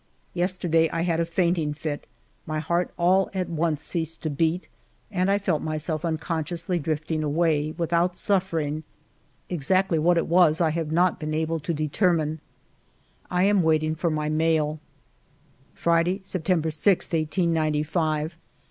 Yesterday I had a fainting fit ; my heart all at once ceased to beat, and I felt myself unconsciously drifting away, without suf fering. Exactly what it was I have not been able to determine. I am waiting for my mail. 1 64 FIVE YEARS OF MY LIFE Friday^ September 6, 1895.